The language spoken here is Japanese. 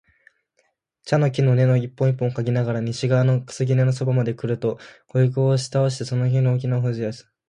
茶の木の根を一本一本嗅ぎながら、西側の杉垣のそばまでくると、枯菊を押し倒してその上に大きな猫が前後不覚に寝ている